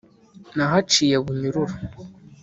nahaciye bunyururu